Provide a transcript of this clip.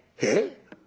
「えっ？」。